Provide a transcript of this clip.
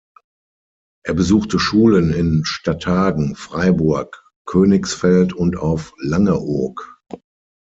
Er besuchte Schulen in Stadthagen, Freiburg, Königsfeld und auf Langeoog.